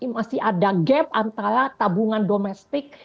masih ada gap antara tabungan domestik